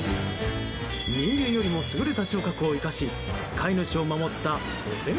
人間よりも優れた聴覚を生かし飼い主を守ったお手柄